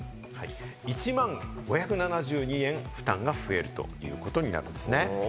１万５７２円負担が増えるということになるんですね。